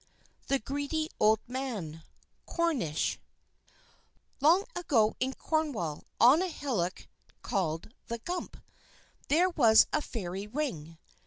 THE GREEDY OLD MAN From Cornwall Long ago in Cornwall, on a hillock called "the Gump," there was a Fairy Ring.